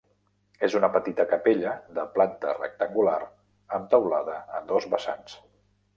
És una petita capella de planta rectangular amb teulada a dos vessants.